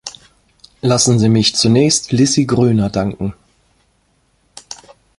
Lassen Sie mich zunächst Lissy Gröner danken.